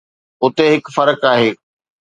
اتي هڪ فرق آهي.